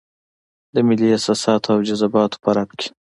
د ملي احساساتو او جذباتو په رپ کې.